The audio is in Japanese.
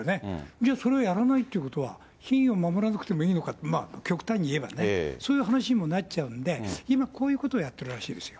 じゃあ、それをやらないってことは、品位を守らなくてもいいのかと、まあ極端にいえばね、そういう話にもなっちゃうんで、今、こういうことをやってるらしいですよ。